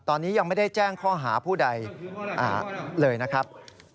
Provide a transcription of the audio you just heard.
ตอนนี้ยังไม่ได้แจ้งข้อหาผู้ใดเลยนะครับ